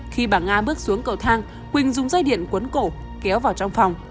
khi bà nga bước xuống cầu thang quỳnh dùng dây điện cuốn cổ kéo vào trong phòng